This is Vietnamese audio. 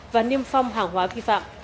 và niêm phong hàng hóa vi phạm